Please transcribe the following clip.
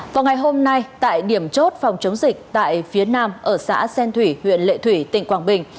vào ngày hôm nay tại điểm chốt phòng chống dịch tại phía nam ở xã xen thủy huyện lệ thủy tỉnh quảng bình